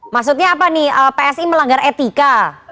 maksudnya apa nih psi melanggar etika